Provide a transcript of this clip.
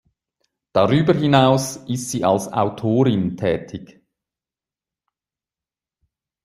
Darüber hinaus ist sie als Autorin tätig.